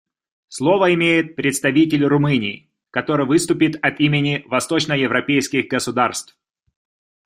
Слово имеет представитель Румынии, который выступит от имени восточноевропейских государств.